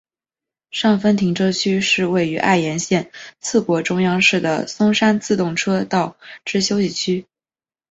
上分停车区是位于爱媛县四国中央市的松山自动车道之休息区。